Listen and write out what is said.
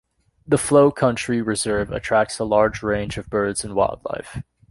The Flow Country reserve attracts a large range of birds and wildlife.